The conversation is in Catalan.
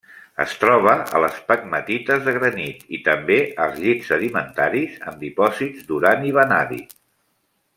Es troba a les pegmatites de granit, i també als llits sedimentaris amb dipòsits d'urani-vanadi.